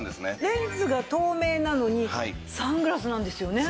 レンズが透明なのにサングラスなんですよね。